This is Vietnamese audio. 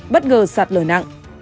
bất ngờ sạt lở nặng